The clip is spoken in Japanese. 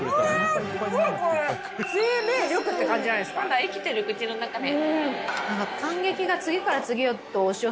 まだ生きてる口の中で。